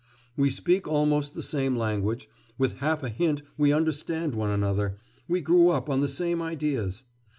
We speak almost the same language, with half a hint we understand one another, we grew up on the same ideas.